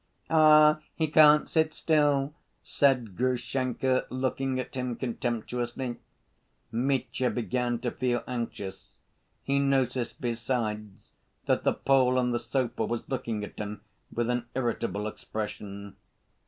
"Ah, he can't sit still," said Grushenka, looking at him contemptuously. Mitya began to feel anxious. He noticed besides, that the Pole on the sofa was looking at him with an irritable expression.